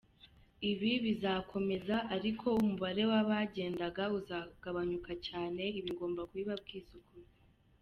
Ibi bizakomeza ariko umubare w’abagendaga uzagabanyuka cyane, ibi ngomba kubibabwiza ukuri.